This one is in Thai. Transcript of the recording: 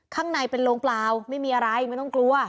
ข้างในเป็นโรงเปล่าไม่มีอะไรไม่ต้องกลัว